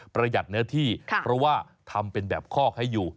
ประหยัดเนื้อที่เพราะว่าทำเป็นแบบคอกให้อยู่